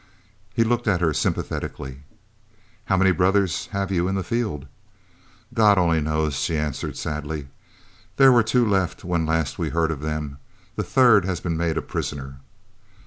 He looked at her sympathetically. "How many brothers have you in the field?" "God only knows," she answered sadly. "There were two left when last we heard of them. The third has been made a prisoner."